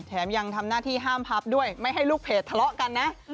แถมยังทำหน้าที่ห้ามพับด้วยไม่ให้ลูกเพจทะเลาะกันนะ